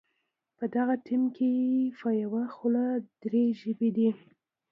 په دغه ټیم کې په یوه خوله درې ژبې دي.